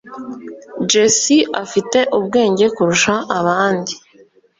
Jessie afite ubwenge kurusha abandi.